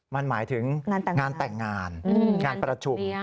มันหมายถึงงานแต่งงานงานประชุม